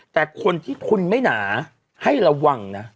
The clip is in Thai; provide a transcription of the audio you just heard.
แต่คนที่คุณไม่หนาให้ระวังนะ